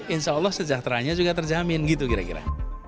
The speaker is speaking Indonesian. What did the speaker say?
insya allah sejahteranya juga terjamin gitu kira kira